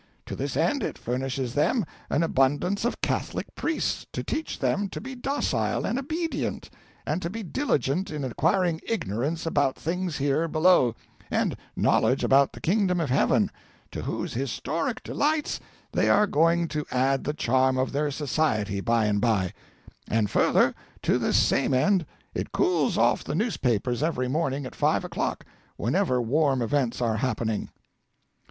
To this end it furnishes them an abundance of Catholic priests to teach them to be docile and obedient, and to be diligent in acquiring ignorance about things here below, and knowledge about the kingdom of heaven, to whose historic delights they are going to add the charm of their society by and by; and further to this same end it cools off the newspapers every morning at five o'clock, whenever warm events are happening.'